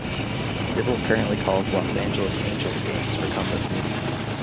Dibble currently calls Los Angeles Angels games for Compass Media.